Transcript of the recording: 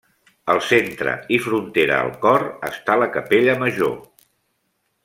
Al centre i frontera al cor està la capella major.